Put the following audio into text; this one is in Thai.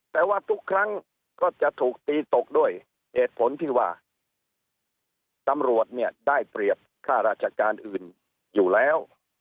แต่ว่าทุกครั้งก็จะถูกตีตกด้วยเหตุผลที่ว่าตำรวจเนี่ยได้เปรียบค่าราชการอื่นอยู่แล้ว